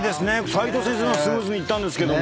齋藤先生のはスムーズにいったけど。